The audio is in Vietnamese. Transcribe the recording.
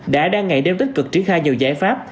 đã đang ngày đêm tích cực triển khai nhiều giải pháp